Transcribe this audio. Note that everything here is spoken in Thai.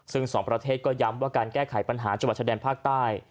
ซึ่งสองประเทศก็ย้ำว่าการแก้ไขปัญหาจังหวัดชายแดนภาคใต้